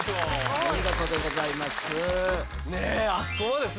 お見事でございます。